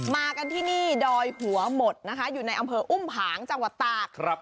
มากันที่นี่ดอยหัวหมดนะคะอยู่ในอำเภออุ้มผางจังหวัดตาก